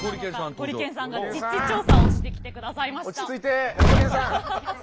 ゴリけんさんが実地調査をしてきてくださいました。